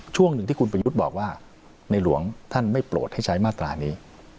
ช่วงหนึ่งที่คุณประยุทธ์บอกว่าในหลวงท่านไม่โปรดให้ใช้มาตรานี้